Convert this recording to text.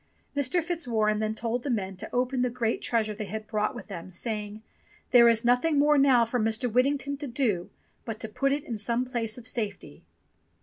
Mr. Fitzwarren then told the men to open the great treasure they had brought with them, saying, "There is nothing more now for Mr. Whittington to do but to put it in some place of safety."